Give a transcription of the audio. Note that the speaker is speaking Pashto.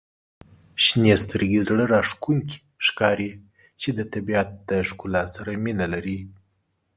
• شنې سترګي زړه راښکونکي ښکاري چې د طبیعت د ښکلا سره مینه لري.